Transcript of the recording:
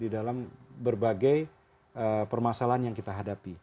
di dalam berbagai permasalahan yang kita hadapi